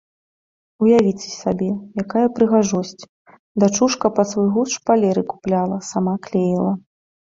Уявіце сабе, якая прыгажосць, дачушка пад свой густ шпалеры купляла, сама клеіла.